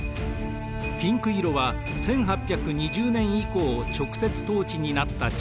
ピンク色は１８２０年以降直接統治になった地域。